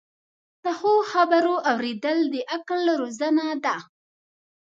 د ښو خبرو اوریدل د عقل روزنه ده.